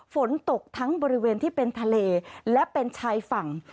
ฝนตกทั้งบริเวณที่เป็นทะเลและเป็นชายฝั่ง